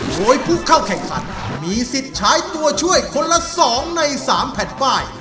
โดยผู้เข้าแข่งขันมีสิทธิ์ใช้ตัวช่วยคนละ๒ใน๓แผ่นป้าย